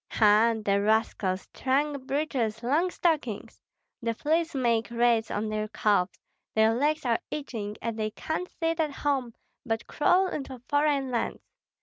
Ha! the rascals, trunk breeches, long stockings! The fleas make raids on their calves, their legs are itching, and they can't sit at home, but crawl into foreign lands.